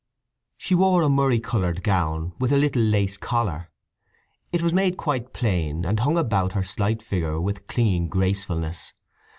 She wore a murrey coloured gown with a little lace collar. It was made quite plain, and hung about her slight figure with clinging gracefulness.